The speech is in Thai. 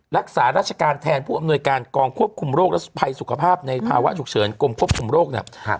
รักษาราชการแทนผู้อำนวยการกองควบคุมโรคและภัยสุขภาพในภาวะฉุกเฉินกรมควบคุมโรคเนี่ย